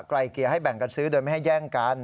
เกลี่ยให้แบ่งกันซื้อโดยไม่ให้แย่งกัน